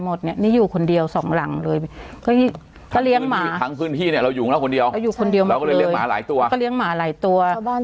หมดเนี่ยนี่อยู่คนเดียวสองหลังเลยก็เลี้ยงหมาทั้งพื้นที่เราอยู่แล้วคนเดียวอยู่คนเดียวมาหลายตัวก็เลี้ยงหมาหลายตัวบ้าน